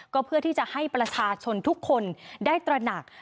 ก็เพื่อที่จะให้ประชาชนทุกคนได้ตระหนัก